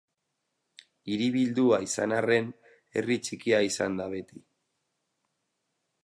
Hiribildua izan arren, herri txikia izan da beti.